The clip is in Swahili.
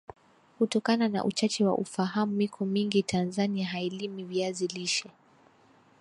Kutokana na Uchache wa ufaham miko mingi TAnzania hailimi viazi lishe